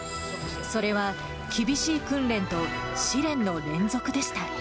それは厳しい訓練と試練の連続でした。